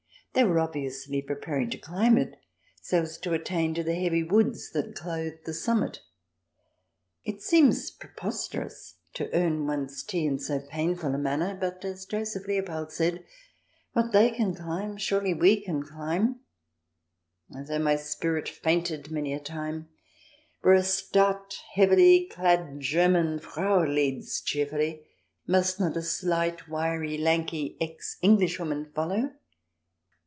They were obviously preparing to climb it, so as to attain to the heavy woods that clothed the summit. It seems preposterous to earn one's tea in so painful a manner, but as Joseph Leopold said, what they can climb, surely we can climb ! And though my spirit fainted many a time, where a stout, heavily clad German Frau leads cheerfully, must not a slight, wiry, lanky, ex Englishwoman follow